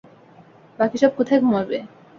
বাকি সব কোথায় ঘুমাবে?